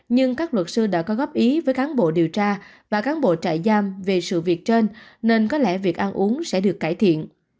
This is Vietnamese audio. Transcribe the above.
nhưng các luật sư đã có góp ý với cán bộ điều tra và cán bộ trại giam về sự việc trên nên có lẽ việc ăn uống sẽ được cải thiện